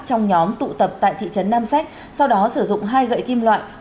trong nhóm tụ tập tại thị trấn nam sách sau đó sử dụng hai gậy kim loại